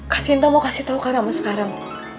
kak sinta mau kasih tau kak rama sekarang